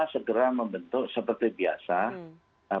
segera membentuk seperti biasa